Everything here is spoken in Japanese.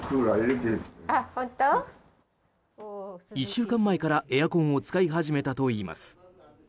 １週間前からエアコンを使い始めたといいます。